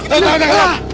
kayaknya sih ini